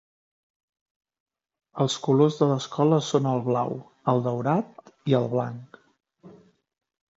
Els colors de l'escola són el blau, el daurat i el blanc.